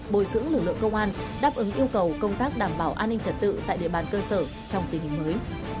bồi dưỡng lực lượng công an đáp ứng yêu cầu công tác đảm bảo an ninh trật tự tại địa bàn cơ sở trong tình hình mới